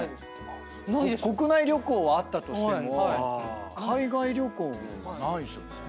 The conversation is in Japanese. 国内旅行はあったとしても海外旅行ないですよね。